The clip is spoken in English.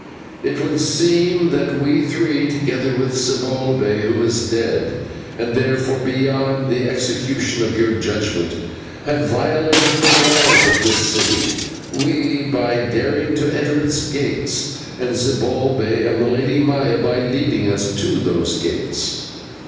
It would seem that we three, together with Zibalbay, who is dead and therefore beyond the execution of your judgment, have violated the laws of this city we by daring to enter its gates, and Zibalbay and the Lady Maya by leading us to those gates.